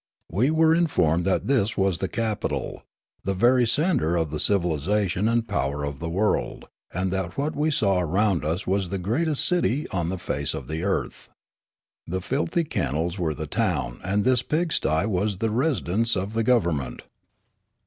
We were informed that this was the capitol, the very centre of the civilisation and power of the world, 202 Riallaro and that what we saw around us was the greatest city on the face of the earth. The filthy kennels were the town, and this pigst}^ was the residence of the go^^ern ment.